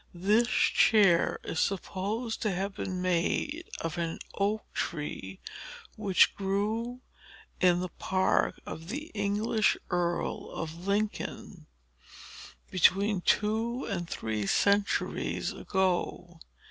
"This chair is supposed to have been made of an oak tree which grew in the park of the English earl of Lincoln, between two and three centuries ago.